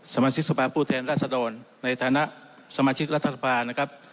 สมาชิกศัพท์ผู้แทนราชฎรในฐานะสมาชิกรัฐธรรมน์นะครับ